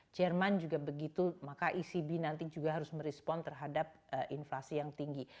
jerman juga begitu maka ecb nanti juga harus merespon terhadap inflasi yang tinggi